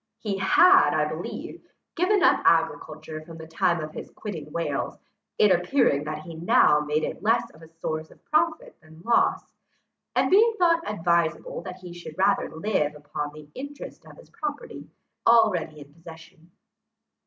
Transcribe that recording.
He had, I believe, given up agriculture from the time of his quitting Wales, it appearing that he now made it less a source of profit than loss, and being thought advisable that he should rather live upon the interest of his property already in possession.